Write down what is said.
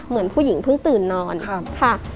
เหมือนผู้หญิงเพิ่งตื่นนอนค่ะ